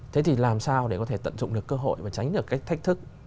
thế thì làm sao để có thể tận dụng được cơ hội và tránh được cái thách thức